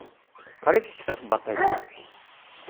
Qrib tekfa tbaṭrit.